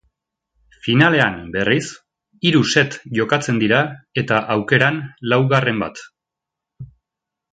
Finalean, berriz, hiru set jokatzen dira eta aukeran laugarren bat.